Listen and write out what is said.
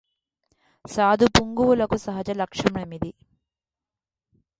సాధుపుంగవులకు సహజలక్షణమిది